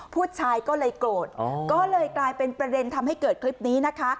ผู้ชายก็เลยโกรธก็เลยกลายเป็นประเด็นทำให้เกิดคลิปนี้นะคะ